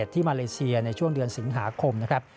ที่มาเลเซียในช่วงเดือนสิงหาคมนะครับ